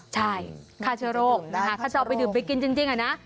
ใช่ฆ่าเชื้อโรคนะคะถ้าจะเอาไปดื่มไปกินจริงอะนะ